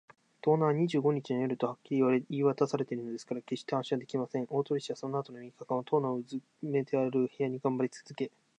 盗難は二十五日の夜とはっきり言いわたされているのですから、けっして安心はできません。大鳥氏はそのあとの三日間を、塔のうずめてある部屋にがんばりつづけ